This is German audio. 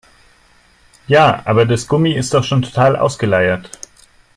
Ja, aber das Gummi ist doch schon total ausgeleiert.